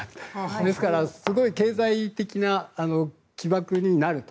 ですから経済的な起爆になると。